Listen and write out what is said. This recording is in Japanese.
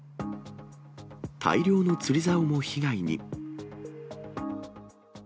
大量の釣りざおも被害に。